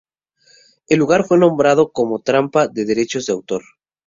El lugar fue nombrado como trampa de derechos de autor.